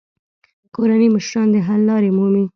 کورني مشران د حل لارې مومي.